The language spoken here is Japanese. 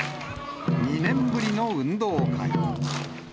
２年ぶりの運動会。